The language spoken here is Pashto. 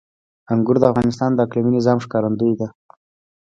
انګور د افغانستان د اقلیمي نظام ښکارندوی ده.